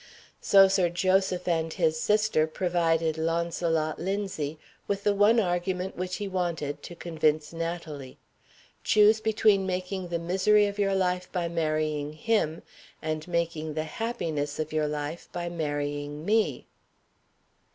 So Sir Joseph and his sister provided Launcelot Linzie with the one argument which he wanted to convince Natalie: "Choose between making the misery of your life by marrying him, and making the happiness of your life by marrying _me.